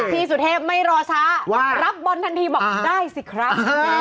พี่สุเทพไม่รอช้ารับบอลทันทีบอกได้สิครับ